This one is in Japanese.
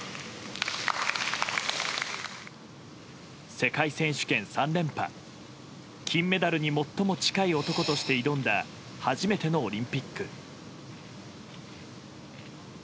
世界選手権３連覇金メダルに最も近い男として挑んだ初めてのオリンピック。